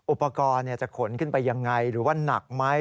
อุปกรณ์จะขนขึ้นไปยังไงหรือว่าหนักไหม